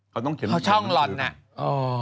เขาต้องเขียนแชมป์เลสชิ้นนัก